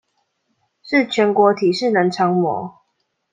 是全國體適能常模